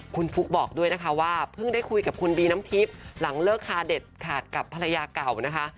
คุณฟุ๊กบอกด้วยนะคะว่าเพิ่งได้คุยกับคุณบีน้ำทิพย์หลังเลิกคาเด็ดขาดกับภรรยาเก่านะคะ